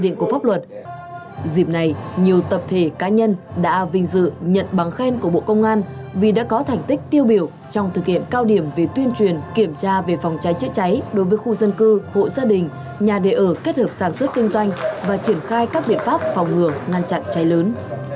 dịp này nhiều tập thể cá nhân đã vinh dự nhận bằng khen của bộ công an vì đã có thành tích tiêu biểu trong thực hiện cao điểm về tuyên truyền kiểm tra về phòng cháy chữa cháy đối với khu dân cư hộ gia đình nhà đề ở kết hợp sản xuất kinh doanh và triển khai các biện pháp phòng ngừa ngăn chặn cháy lớn